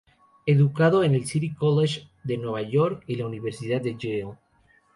Educado en el City College de Nueva York y la Universidad de Yale.